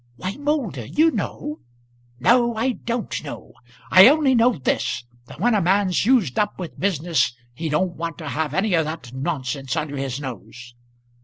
"Why, Moulder, you know." "No; I don't know. I only know this, that when a man's used up with business he don't want to have any of that nonsense under his nose."